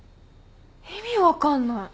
意味分かんない。